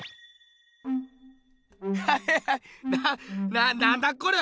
ななんだこれ？